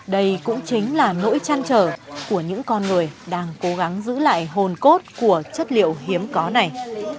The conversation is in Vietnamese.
đây cũng chính là nỗi chăn trở của những con người đang cố gắng giữ lại hồn cốt của chất liệu hiếm có này